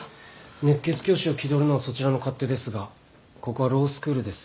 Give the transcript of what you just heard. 熱血教師を気取るのはそちらの勝手ですがここはロースクールです。